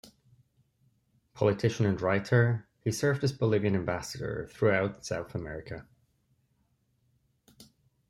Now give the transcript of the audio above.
Politician and writer, he served as Bolivian ambassador throughout South America.